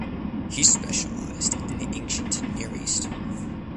He specialized in the Ancient Near East.